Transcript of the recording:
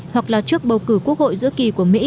hoặc là trước bầu cử quốc hội giữa kỳ của mỹ